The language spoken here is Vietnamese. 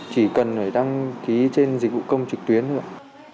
chỉ cần phải đăng ký trên dịch vụ công trực tuyến thôi ạ